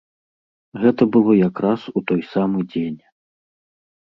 Гэта было якраз у той самы дзень.